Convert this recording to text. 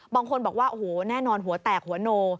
บางคนบอกว่าโอ้โหแน่นอนหัวแตกหัวโน